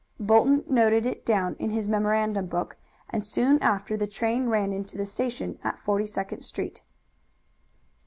Bolton noted it down in his memorandum book, and soon after the train ran into the station at Forty second Street.